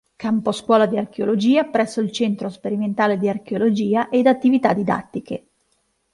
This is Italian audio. Campo scuola di Archeologia presso il Centro Sperimentale di Archeologia ed attività didattiche.